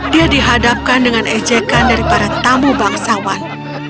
dia dihadapkan dengan ejekan dari para tamu bangsawan